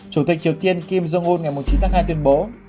chủ tịch triều tiên kim jong un ngày một mươi chín tháng hai tuyên bố